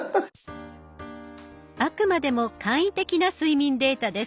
あくまでも簡易的な睡眠データです。